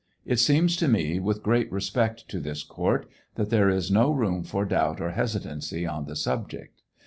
It seems to me, with great respect to this court, that there is no room for doubt or hesitancy on the subject.